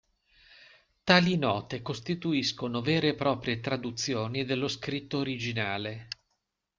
Tali note costituiscono vere e proprie traduzioni dello scritto originale.